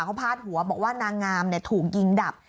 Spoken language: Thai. เขาพาดหัวบอกว่านางงามถูกยิงดับ